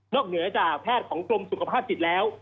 นอกเหนือจากแพทย์ของกรมสุขภาพสิทธิ์แล้ว